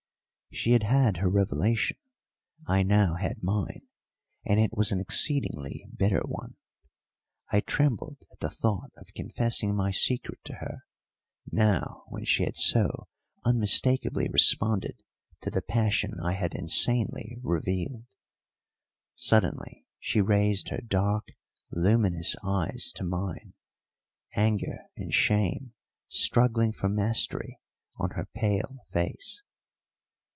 She had had her revelation; I now had mine, and it was an exceedingly bitter one. I trembled at the thought of confessing my secret to her, now when she had so unmistakably responded to the passion I had insanely revealed. Suddenly she raised her dark, luminous eyes to mine, anger and shame struggling for mastery on her pale face.